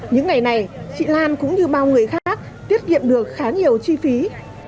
những ngày này chị lan cũng như bao người khác tiết kiệm được khá nhiều chi phí